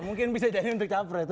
mungkin bisa jadi untuk capres